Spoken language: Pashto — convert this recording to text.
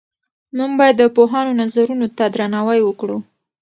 موږ باید د پوهانو نظرونو ته درناوی وکړو.